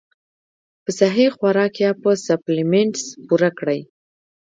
پۀ سهي خوراک يا پۀ سپليمنټس پوره کړي -